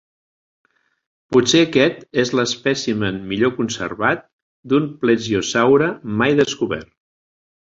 Potser aquest és l'espècimen millor conservat d'un plesiosaure mai descobert.